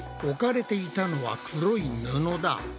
置かれていたのは黒い布だ。